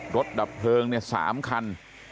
รถดับเพลิงเนี่ยสามคัน